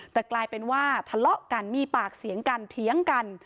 แต่กลายเป็นว่าทะเลาะกันมีปากเสียงกันเถียงกัน